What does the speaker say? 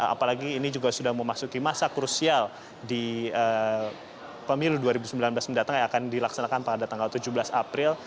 apalagi ini juga sudah memasuki masa krusial di pemilu dua ribu sembilan belas mendatang yang akan dilaksanakan pada tanggal tujuh belas april